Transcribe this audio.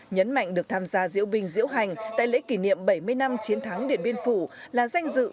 nhấn mạnh được tham gia diễu binh diễu hành tại lễ kỷ niệm bảy mươi năm chiến thắng điện biên phủ là danh dự